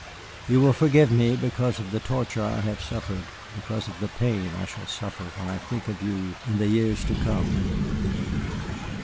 You will forgive me because of the torture I have suffered, because of the pain I shall suffer when I think of you in the years to come."